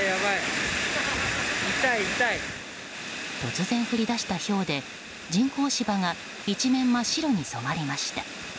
突然降り出したひょうで人工芝が一面真っ白に染まりました。